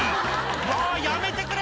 「うわやめてくれ！